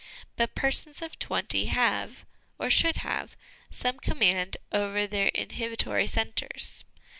But persons of twenty have, or should have, some command over their inhibitory centres.